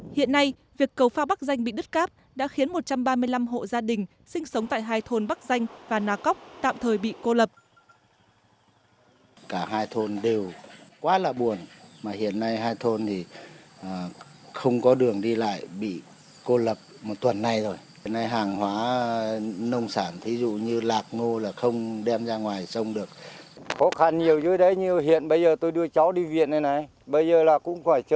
hiện nay việc cầu phao bắc danh bị đứt cáp đã khiến một trăm ba mươi năm hộ gia đình sinh sống tại hai thôn bắc danh và nà cóc tạm thời bị cô lập